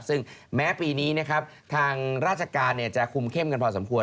ซึ่งแม้ปีนี้นะครับทางราชการจะคุมเข้มกันพอสมควร